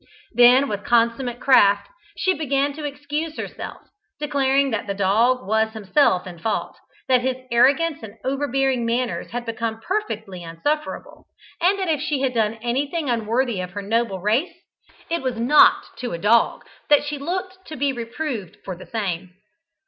Then, with consummate craft, she began to excuse herself, declaring that the dog was himself in fault, that his arrogance and overbearing manners had become perfectly insufferable, and that if she had done anything unworthy of her noble race, it was not to a dog that she looked to be reproved for the same.